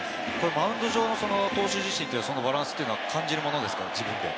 マウンド上の投手自身はバランスを感じるものですか？